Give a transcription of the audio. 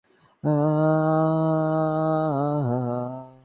তিনি হয়তো ‘কল্লোল' বন্ধ করে দিতেন না।